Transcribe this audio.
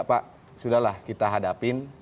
pak sudah lah kita hadapin